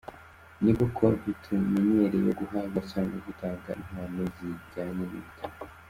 Ni koko ntitumenyereye guhabwa cyangwa gutanga impano zijyanye n’ibitabo.